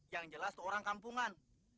yang jelas itu orang kampungan